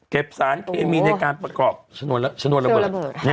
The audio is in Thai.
สารเคมีในการประกอบชนวนระเบิด